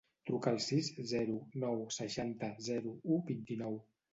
Truca al sis, zero, nou, seixanta, zero, u, vint-i-nou.